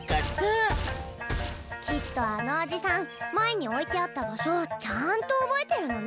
きっとあのおじさん前に置いてあった場所をちゃんと覚えてるのね。